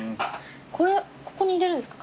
これここに入れるんですか？